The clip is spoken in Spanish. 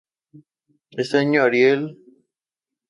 Ese año, Ariel fue absorbida por "Components Ltd.